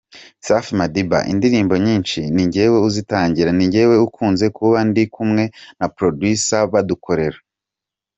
Safi Madiba: Indirimbo nyinshi ninjye nzitangira, ninjye ukunze kuba ndi kumwe na producers badukorera.